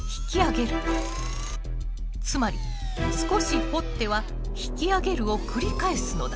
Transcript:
つまり「少し掘っては引き上げる」を繰り返すのだ。